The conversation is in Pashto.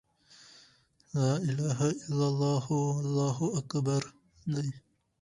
وَلَا إِلَهَ إلَّا اللهُ، وَاللهُ أكْبَرُ دي .